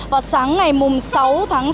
vào sáng ngày sáu tháng sáu